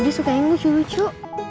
febri suka yang lucu lucu